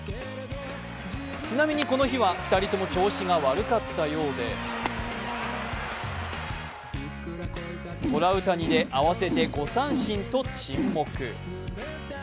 ちなみにこの日は２人とも調子が悪かったようで、トラウタニで合わせて５三振と沈黙。